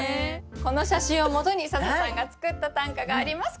この写真をもとに笹さんが作った短歌があります